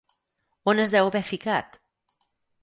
On es deu haver ficat?